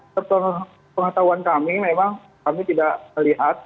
sepengetahuan kami memang kami tidak melihat